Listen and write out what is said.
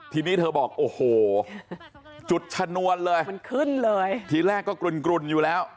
ทีนี้เธอบอกโอ้โหจุดชนวนเลยมันขึ้นเลยทีแรกก็กลุ่นกลุ่นอยู่แล้ว